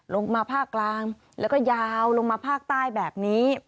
ลงมาภาคกลางแล้วก็ยาวลงมาภาคใต้แบบนี้